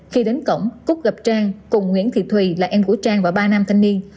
khi đến cổng cúc gặp trang cùng nguyễn thị thùy là em của trang và ba nam thanh niên